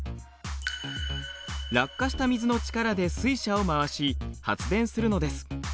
落下した水の力で水車を回し発電するのです。